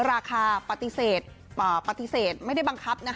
ราคาปฏิเสธไม่ได้บังคับ